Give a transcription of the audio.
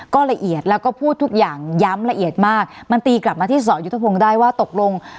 ก็ละเอียดแล้วก็พูดทุกอย่างย้ำละเอียดมากมันตีกลับมาที่สอยุทธพงศ์ได้ว่าตกลง